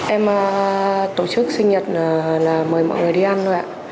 em tổ chức sinh nhật là mời mọi người đi ăn rồi ạ